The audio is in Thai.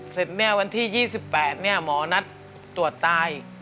เสร็จเนี่ยวันที่๒๘เนี่ยหมอนัดตรวจตาย